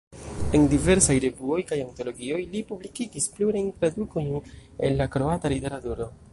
En diversaj revuoj kaj antologioj li publikigis plurajn tradukojn el la kroata literaturo.